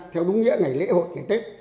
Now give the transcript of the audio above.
theo đúng nghĩa ngày lễ hội ngày tết